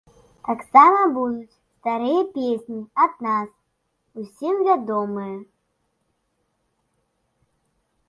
Таксама будуць старыя песні ад нас, усім вядомыя.